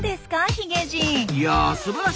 ヒゲじい。